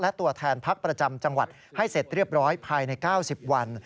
และตัวแทนพักประจำจังหวัดให้เสร็จเรียบร้อยภายใน๙๐วัน